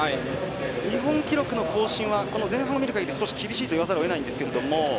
日本記録の更新は前半を見るかぎり少し厳しいといわざるをえないんですけれども。